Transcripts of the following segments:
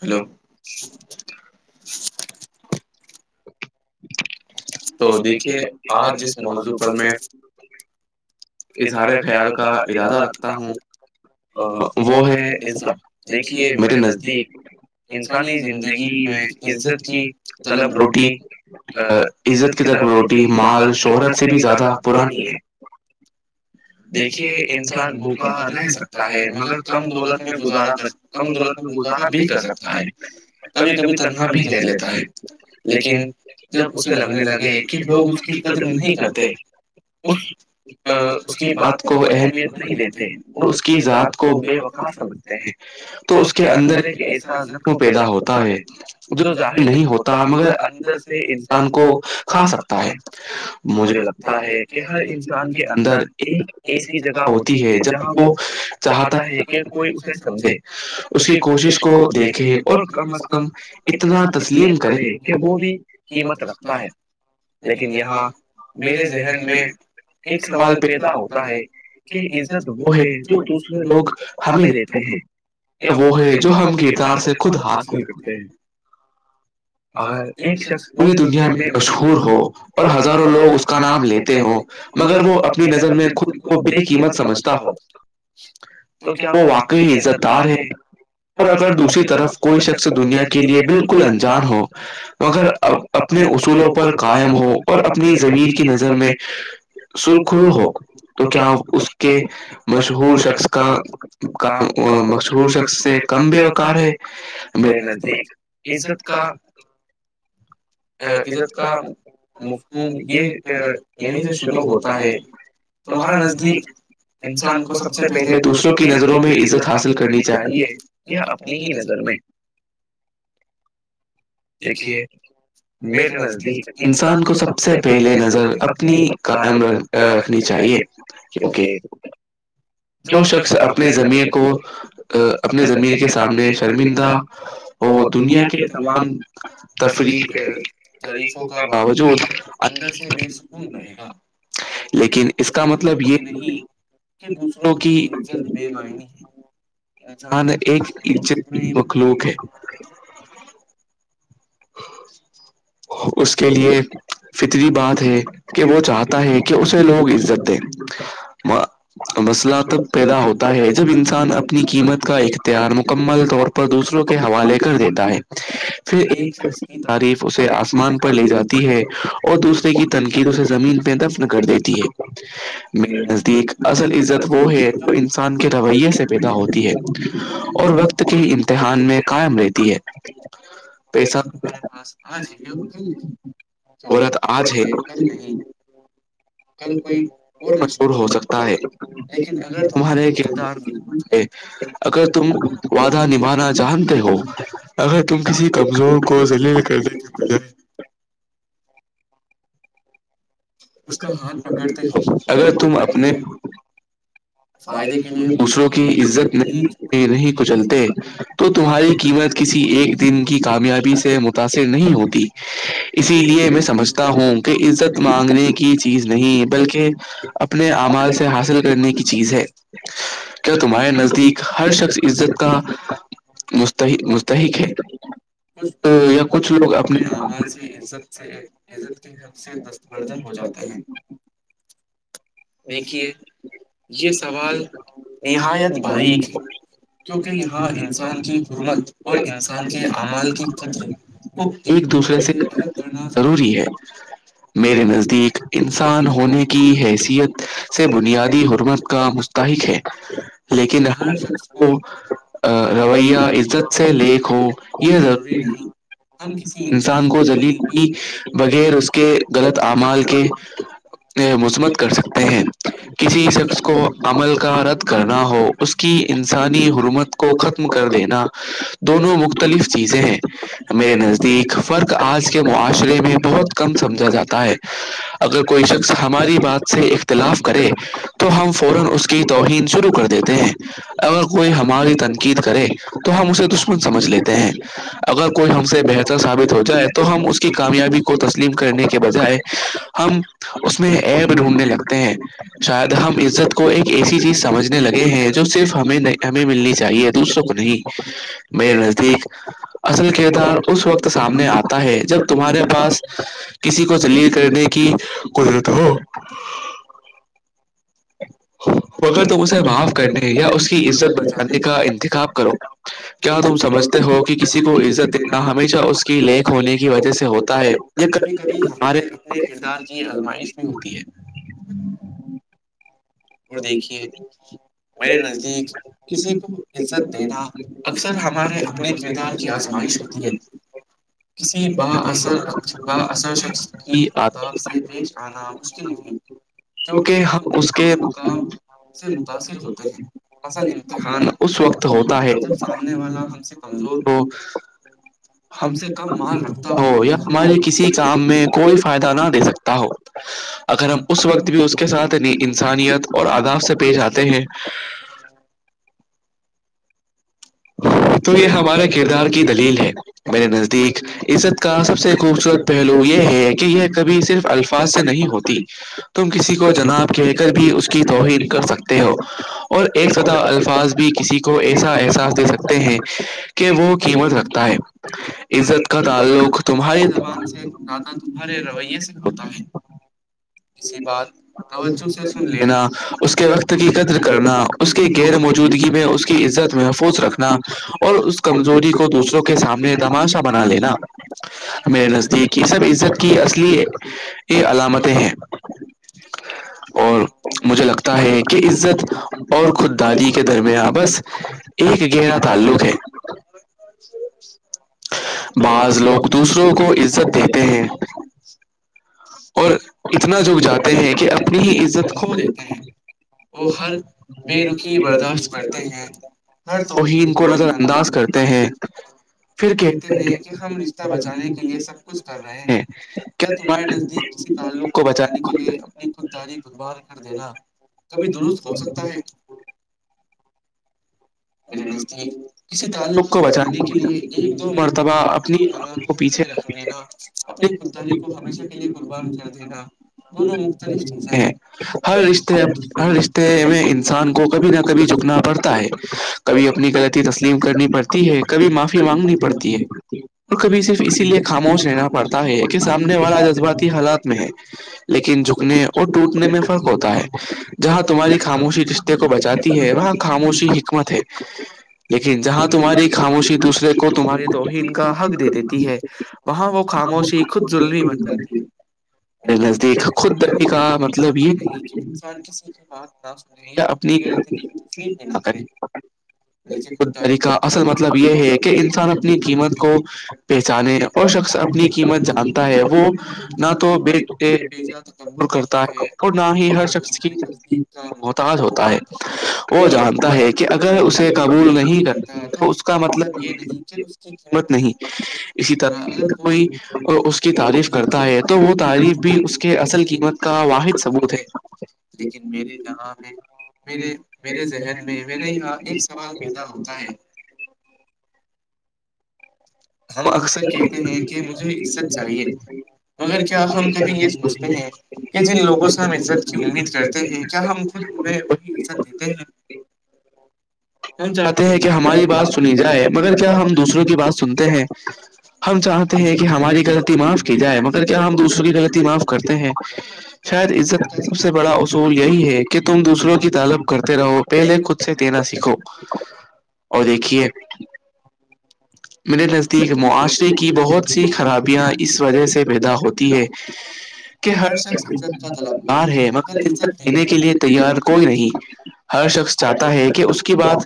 hello تو دیکھیے آج جیسے موضوع پر میں اظہار خیال کا ارادہ رکھتا ہوں ا وہ ہے دیکھیے میرے نزدیک انسانی زندگی میں عزت کی طلب روٹی ا عزت کی طرف روٹی مال شہرت سے بھی زیادہ پرانی ہے دیکھیے انسان بھوکا رہ سکتا ہے مگر کم دولت میں گزارا کر کم غلط میں گزارا بھی کر سکتا ہے کبھی کبھی تنہا بھی رہ لیتا ہے لیکن جب اسے لگنے لگے کہ لوگ اس کی قدر نہیں کرتے اس اس کی بات کو اہمیت نہیں دیتے اور اس کی ذات کو بے وقار سمجھتے ہیں تو اس کے اندر ایک ایسا زخم پیدا ہوتا ہے جو ظاہر نہیں ہوتا مگر اندر انسان کو کھا سکتا ہے مجھے لگتا ہے کہ ہر انسان کے اندر ایک ایسی جگہ ہوتی ہے جہاں وہ چاہتا ہے کہ کوئی اسے سمجھے اس کی کوشش کو دیکھے اور کم از کم اتنا تکلیف کرے کہ وہ بھی قیمت رکھتا ہے لیکن یہاں میرے ذہن میں ایک سوال پیدا ہوتا ہے کہ عزت وہ ہے جو دوسرے لوگ ہمیں دیتے ہیں یا وہ ہے جو ہم کردار خود حاصل کرتے ہیں ا ایک شخص پوری دنیا میں مشہور ہو اور ہزاروں لوگ اس کا نام لیتے ہ مگر وہ اپنی نظر میں خود کو بے قیمت سمجھتا ہو کیکہ وہ واقعی عزت دار ہے اور اگر دوسری طرف کوئی شخص دنیا کے لیے بالکل انجان ہو مگر اپنے اصولوں پر قائم ہو اور اپنی زمیر کی نظر میں سرخ کو ہک تو کیا اس کے مشہور شخص کا مشہور شخص سے کمری و کار ایک محنت عزت کا عزت کا مفہوم یہ انیں سے شروع ہوتا ہے تمہارا نزدیک انسان کو سب سے پہلے دوسروں کی نظروں میں عزت حاصل کرنی چاہیے یا اپنی ہی نظر میں ایکھی مٹ ندیک انسان کو سب سے پہلے نظر اپنی قائم رکھنی چاہیے کیونکہ جو شخص اپنی زمیر کو اپنی زمیر کے سامنے شرمندہ اور دنیا کے تمام تفریح تریفوں کا باوجود اندر سے بے سکون رہے گا لیکن اس کا مطلب یہ نہیں کہ کی عت بے معنی ہےان ایک عزت میں مخلوق ہے [inaudible] [inaudible] [inaudible] م [unintelligible] مسئلہ تب پیدا ہوتا ہے جب انسان اپنی قیمت کا اختیار مکمل طور پر دوسروں کے حوالے کر دیتا ہے پھر ایک چخ تعریف اسے آسمان پر لے جاتی ہے اور دوسرے کی تنقید اسے زمین پہ دفن کر دیتی ہے میرے نزدیک اصل عزت وہ ہے جو انسان کے رویے سے پیدا ہوتی ہے اور وقت کے امتحان میں قائم رہتی ہے پیسا تہارے پاس آج ہے سورت آج ہے نہیں کل کوئی اور مجبور ہو سکتا ہے لیکن اگر تمہارے کردار مضبوط ہے اگر تم وعدا نبھانا جانتے ہو اگر تم کسی کمنی زور کوس لی ہے اس کا ہاتھ پکڑتے ہو اگر تم اپنے فائدے کے لیے دوسروں کی عزت نہیں نہیں کچلتے تو تمہاری قیمت کسی ایک دن کی کامیابی سے متاثر نہیں ہوتی اسی لیے میں سمجھتا ہوں کہ عزت مانگنے کی چیز نہیں بلکہ اپنے اعمال سے حاصل کرنے کی چیز ہے کیا تمہارے نزدیک ہر شخص عزت کا [inaudible] یا کچھ لوگ اپنے اعمال سے عت سے عزت کے سے گردن ہو جاتا ہیں دیکھیے یہ سوال نہایت بھارییک ہے کیونکہ یہاں انسان کی حرمت اور انسان کے اعمال کی قدر ایک دوسرے سے الگ کرڑنا ضروری ہے میرے نزدیک انسان ہونے کی حیثیت سے بنیادی حرمت کا مستحق ہے لیکن ہر شخص کو رویہ عزت سے لیک ہو یہ ضروری نہیں کسی انسان کو زلیل بغیر اس کے غلط اعمال کے مذمت کر سکتے ہیں کسی شخص کو عمل کا رد کرنا ہو اس کی انسانی حرومت کو ختم کر دینا دونوں مختلف چیزیں ہیں میرے نزدیک فرق آج کے معاشرے میں بہت کم سمجھا جاتا ہے اگر کوئی شخص ہماری بات سے اختلاف کرے تو ہم فورااس کی توہین شروع کر دیتے ہیں اگر کوئی ہماری تنقید کرے تو ہم اسے دشمن سمجھ لیتے ہیں اگر کوئی ہم سے بہتر ثابت ہو جائے تو ہم اس کی کامیابی کو تسلیم کرنے کے بجائے ہی [unintelligible] اس میں ایب ڈھونڈنے لگتے ہیں شاید ہم عزت کو ایک ایسی چیز سمجھنے لگے ہیں جو صرف ہمیں ہمیں ملنی چاہیے دوسروں کو نہیں میں نزدیک اصل کردار اس وقت سامنے آتا ہے جب تمہارے پاس کسی کو جلیل کرنے کی کورورت ہو [inaudible] کیا تم سمجھتے ہو کہ کسی کو عزت دینا ہمیشہ اس کی لیک ہونے کی وجہ سے ہوتا ہے یہ کبھی کبھی ہمارے اپنے کردار کی آزمائش بھی ہوتی ہے اور دیکھیے میرے نزدیک کسی کو عزت دینا اکثر ہمارے اپنے کردار کی آزمائش ہوتی ہے کسی ب با اثر شخص کی آداب سے آنا مشکل نہیں کیکہ ہم اس کے کا سے متاثر ہوتے ہیں پصل امتحان اس وقت ہوتا ہے جب سامنے والے ہم سے کمزور ہو ہم سے کم مال رکھ ہو یا ہماری کسی کام میں کوئی فائدہ نہ دے سکتا ہو اگر ہم اس وقت بھی اس کے ساتھ ننی انسانیت اور آداف سے پیش آتے ہیں [inaudible] تو یہ ہمارے کردار کی دلیل ہے میرے نزدیک عزت کا سب سے خوبصورت پہلو یہ ہے کہ یہ کبھی صرف الفاظ سے نہیں ہوتی تم کسی کو جناب کہہ کر بھی اس کے توہین کر سکتے ہو اور ایک سدا الفاظ بھی کسی کو ایسا احساس دے سکتے ہیں کہ وہ قیمت رکھتا ہے عزت کا تعلق تمہاری زبان سے زیادہ تو ہر رویے سے ہوتا ہے اسی بات توجہ سے سن لینا اس کے وقت کی قدر کرنا اس کے غیر موجودگی میں عزت محفوظ رکھنا اور اس کمزوری کو دوسروں کے سامنے تماشا بنا لینا میرے نزدیک یہ سب عزت کی اصلی علامتیں ہیں ج [unintelligible] [inaudible] کہ گہرا تعلق ہے بعض لوگ دوسروں کو عزت دیتے ہیں اور اتنا لوگ جاتے ہیں کہ اپنی ہی عزت کھو دیتے ہیں وہ ہر بے رکی برداشت کرتے ہیں ہر توہین کو نظر انداز کرتے ہیں پھر کہتے ہیں کہ ہم رشتہ بچانے کے لیے سب کچھ کر رہے ہیں کیا تمہارے نزدیک کسی تعلق کو بچانے کے لیے اپنے خود تاری خ بار کر دینا کبھی درست ہو سکتا ہے کسی تعلق کو بچانے کے لیے ایک دو مرتبہ اپنی انار کو پیچھے رکھ دینا اپنی خودداری کو ہمیشہ کے لیے م چ ہ [unintelligible] دونوں مختلف چیزیں ہیں ہر رشتے ہر رشتے میں انسان کو کبھی نہ کبھی جھکنا پڑتا ہے کبھی اپنی غلط تسلیم کرنی پڑتی ہے کبھی معافی مانگنی پڑتی ہے اور کبھی صرف اسی لیے خاموش رہنا پڑتا ہے کہ سامنے والا جذباتی حالات میں ہے لیکن جھکنے اور ٹوٹنے میں فرق ہوتا ہے جہاں تمہاری خاموشی رشتے کو بچاتی ہے وہاں خاموشی حکمت ہے لیکن جہاں تمہاری خاموشی دوسرے کو تمہاری توہین کا حق دے دیتی ہے وہاں وہ خاموشی خود ظلممی بن جاتی ہے ا نزدیک خود دلی کا مطلب یہ نہیں کہ انان ک س اپنی غلطی کا تکلیف بھی نہ کریں ن خداری کا اصل مطلب یہ ہے کہ انسان اپنی قیمت کو پہچانے اور شخص اپنی قیمت جانتا ہے وہ نہ تو بی ور کرتا ہے اور نہ ہی ہر شخص کی محتاج ہوتا ہے وہ جانتا ہے کہ اگر اسے قبول نہیں کرتا تو اس کا مطلب یہ نہیں قیمت نہیں اسی طرح کوئی اس کی تعریف کرتا ہے تو وہ تعریف بھی اس کے اصل قیمت کا واحد ثبوت ہے لیکن میرے یہاں مے میرے ذہن میں میرے یہاں ایک سوال پیدا ہوتا ہے ج [unintelligible] ا [unintelligible] مگر کیا خ میں وہی ح سہ دیتے ہیں [inaudible] ہم ہم چاہتے ہیں کہ ہماری بات سنی جائے مگر کیا ہم دوسروں کی بات سن ہیں ہم چاہتے ہیں کہ ہماری غلطی معاف کی جائے م کیا ہم دوسروں کی غلطی معاف کرتے ہیں شاید عزت سب سے بڑا اصول یہی ہے کہ تم دوسروں کی تعالب کرتے رہو پہلے خود سے ت نہا سیکھو اور دیکھیے میرے نزدیک معاشرے کی بہت سی خرابیاں اس وجہ سے پیدا ہوتی ہے کہ ہر شخص عزت کا طلب بار ہے مگر عزت لینے کے لیے تیار کوئی نہیں ہر شخص چاہتا ہے کہ اس کی بات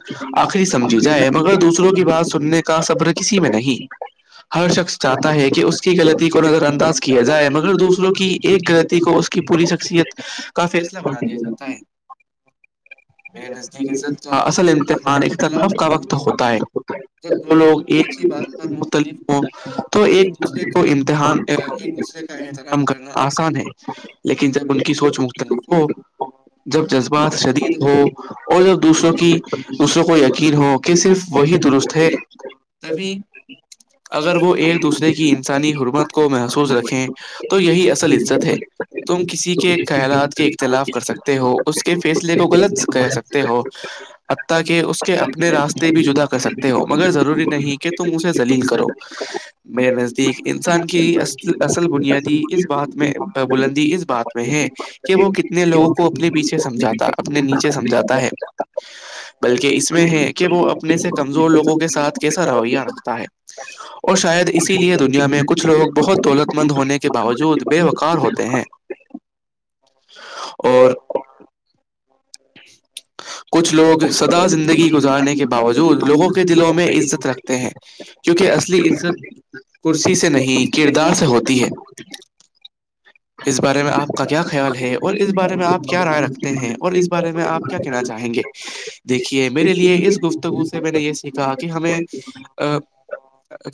آخری سمجھی جائے مگر دوسروں کی بات سننے کا صبر کسی میں نہیں ہر شخص چاہتا ہے کہ اس کی غلطی کو نظر اندر کیا جائے مگر دوسروں کی ایک غلی کو اس کی پوری شخصیت کا فیصلہ بنا دیا جاتا ہے [unintelligible] میرے نزدیک عزت کا اصل امتحان اختلاف کا وقت ہوتا ہے جب دو لوگ ایک ہی بات پر متلف ہوں تو ایک دوسرے کو امتحان ایک دوسرے کا احترام کرنا آسان ہے لیکن جب ان کی سوچ مختلف ہو جب جذبات شدید ہو اور جب دوسروں کی دوسروں کو یقین ہو کہ صرف وہی درست ہے ا [unintelligible] اگر وہ ایک دوسرے کی انسانی حربت کو محسوظ رکھیں تو یہی اصل عزت ہے تم کسی کے خیالات کے اختلاف کر سکتے ہو اس کے فیصلے کو غلط کہہ سکتے ہو حتی کہ اس کے اپنے راستے بھی جدا کر سکتے ہو مگر ضروری نہیں کہ تم اسے لیل کرو میںے نزدیک انسان کی اصل بنیادی اس بات میں بلندی اس بات میں ہے کہ وہ کتنے لوگوں کو اپنے پیچھے سمجھاتے اپنے نیچے سمجھاتا ہے بلکہ اس میں ہے کہ وہ اپنے سے کمزور لوگوں کے ساتھ کیسا رویہ رکھتا ہے اور شاید اسی لیے دنیا میں کچھ لوگ بہت دولت مند ہونے کے کے باوجود بے وکار ہوتے ہیں اور [unintelligible] کچھ لوگ سدا زندگی گزارنے کے باوجود لوگوں کے دلوں میں عزت رکھتے ہیں کیونکہ اصلی عزت کرسی سے نہیں کردار سے ہوتی ہے [inaudible] اس بارے میں آپ کا کیا خیال ہے اور اس بارے میں آپ کیا رائے رکھتے ہیں اور اس بارے میں آپ کیا کہنا چاہیں گے دیکھیے میرے لیے اس گفتگو سے میں نے یہ سیکھا تاکہ ہمیں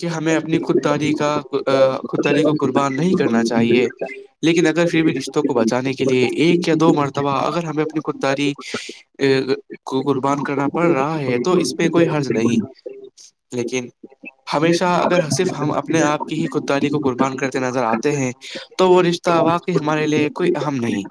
کہ ہمیں اپنی خود دادی کا خود دری کو قربان نہیں کرنا چاہیے لیکن اگر پھر بھی رشتوں کو بچانے کے لیے ایک یا دو مرتبہ اگر ہمیں اپنی خود اری کو قربان کرنا پڑ رہا ہے تو اس میں کوئی حرض نہیں لیکن ہمیشہ اگر صرف ہم اپنے آپ کی ہی خود داری کو قربان کرتے نظر آتے ہیں تو وہ رشتہ واقعی ہمارے لیے کوئی اہم نہیں